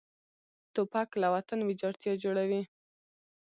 توپک له وطن ویجاړتیا جوړوي.